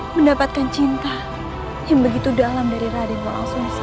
mendapatkan cinta yang begitu dalam dari radeva asunsa